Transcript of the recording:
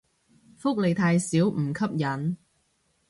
福利太少唔吸引